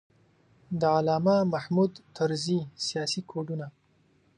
د علامه محمود طرزي سیاسي کوډونه.